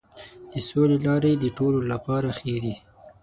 د سولې لارې د ټولو لپاره ښې دي.